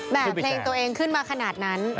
เพลงตัวเองขึ้นมาขนาดนั้น